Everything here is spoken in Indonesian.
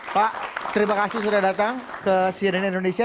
pak terima kasih sudah datang ke cnn indonesia